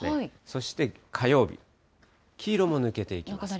そして火曜日、黄色も抜けていきます。